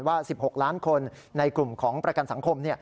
ว่า๑๖ล้านคนในกลุ่มของประกันสังคม